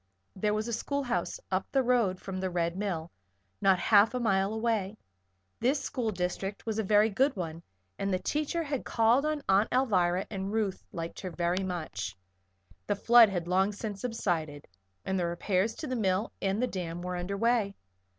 There was a schoolhouse up the road from the Red Mill not half a mile away; this district school was a very good one and the teacher had called on Aunt Alvirah and Ruth liked her very much. The flood had long since subsided and the repairs to the mill and the dam were under way.